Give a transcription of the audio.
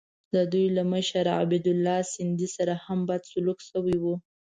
د دوی له مشر عبیدالله سندي سره هم بد سلوک شوی وو.